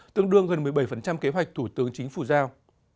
tương đương gần một mươi bảy kế hoạch thủ tướng chính phủ giao